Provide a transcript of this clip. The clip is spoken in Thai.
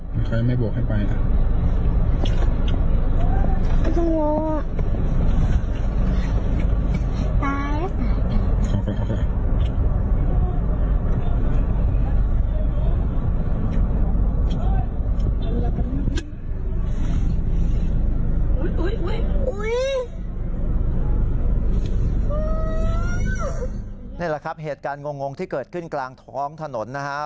นี่แหละครับเหตุการณ์งงที่เกิดขึ้นกลางท้องถนนนะฮะ